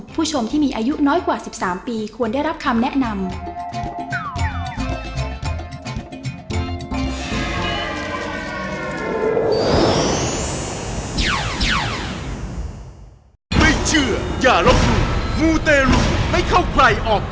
ผู้ชมที่มีอายุน้อยกว่า๑๓ปีควรได้รับคำแนะนำ